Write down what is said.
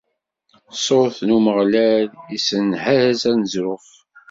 Ṣṣut n Umeɣlal issenhaz aneẓruf.